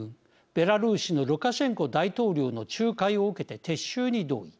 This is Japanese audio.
ベラルーシのルカシェンコ大統領の仲介を受けて撤収に同意。